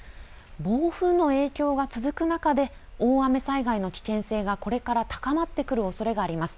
暴風の影響が続く中で大雨災害の危険性がこれから高まってくるおそれがあります。